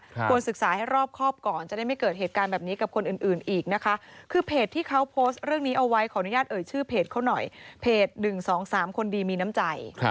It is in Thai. ควรศึกษาให้รอบครอบก่อนจะได้ไม่เกิดเหตุการณ์แบบนี้กับคนอื่นอีกนะคะคือเพจที่เขาโพสต์เรื่องนี้เอาไว้ขออนุญาตเอ่ยชื่อเพจเขาหน่อยเพจ๑๒๓คนดีมีน้ำใจ